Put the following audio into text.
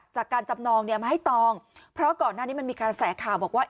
จำนองเนี่ยมาให้ตองเพราะก่อนหน้านี้มันมีกระแสข่าวบอกว่า